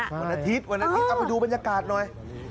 วันอาทิตย์เอาไปดูบรรยากาศหน่อย